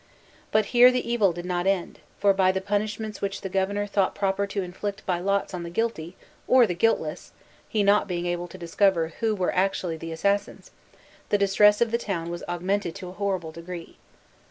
But here the evil did not end; for by the punishments which the governor thought proper to inflict by lots on the guilty, or the guiltless (he not being able to discover who were actually the assassins), the distress of the town was augmented to a horrible degree.